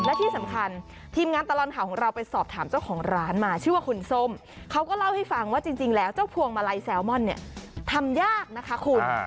และที่สำคัญทีมงานตลอดข่าวของเราไปสอบถามเจ้าของร้านมาชื่อว่าคุณส้มเขาก็เล่าให้ฟังว่าจริงแล้วเจ้าพวงมาลัยแซลมอนเนี่ยทำยากนะคะคุณ